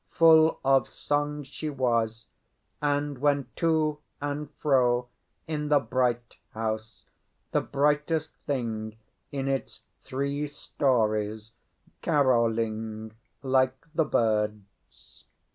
Full of song she was, and went to and fro in the Bright House, the brightest thing in its three storeys, carolling like the birds.